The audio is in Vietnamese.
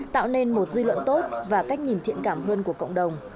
tạo nên một dư luận tốt và cách nhìn thiện cảm hơn của cộng đồng